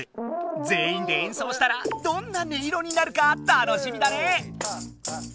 ぜんいんで演奏したらどんな音色になるか楽しみだね。